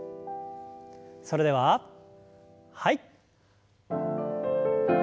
それでははい。